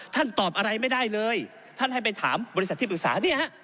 ท่านตอบอะไรเล่นไปถามบริษัทที่ปรึกษา